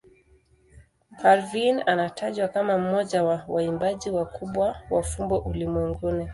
Parveen anatajwa kama mmoja wa waimbaji wakubwa wa fumbo ulimwenguni.